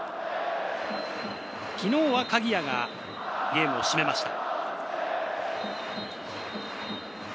昨日は鍵谷がゲームを締めました。